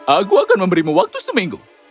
aku akan memberimu waktu seminggu